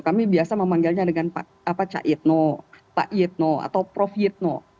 kami biasa memanggilnya dengan pak yetno atau prof yitno